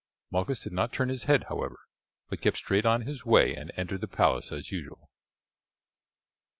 Malchus did not turn his head, however, but kept straight on his way and entered the palace as usual.